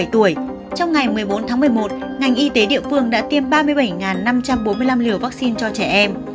trong ngày một mươi bốn tháng một mươi một ngành y tế địa phương đã tiêm ba mươi bảy năm trăm bốn mươi năm liều vaccine cho trẻ em